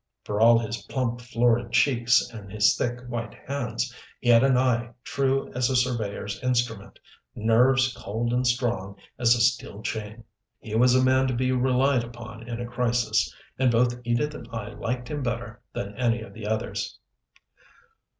For all his plump, florid cheeks and his thick, white hands, he had an eye true as a surveyor's instrument, nerves cold and strong as a steel chain. He was a man to be relied upon in a crisis. And both Edith and I liked him better than any of the others.